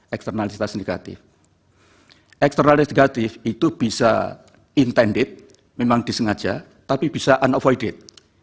eksternalitas negatif eksternal dan negatif itu bisa intended memang disengaja tapi bisa unophoided